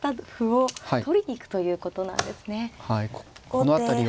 この辺りは。